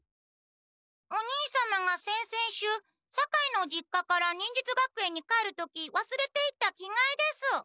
お兄様が先々週堺の実家から忍術学園に帰る時わすれていった着がえです。